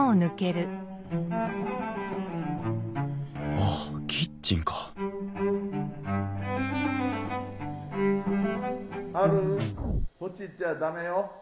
あっキッチンか・ハルそっち行っちゃ駄目よ。